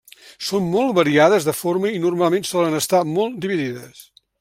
Són molt variades de forma i normalment solen estar molt dividides.